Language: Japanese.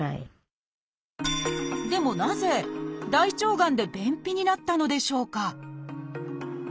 でもなぜ大腸がんで便秘になったのでしょうか？